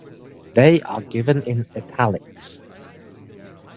They are given in "italics".